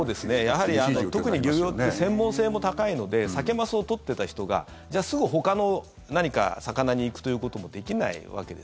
やはり特に漁業って専門性も高いのでサケ・マスを取ってた人がじゃあ、すぐほかの何か魚に行くということもできないわけです。